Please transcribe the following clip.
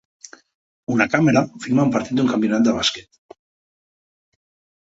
Un càmera filma un partit d'un campionat de bàsquet.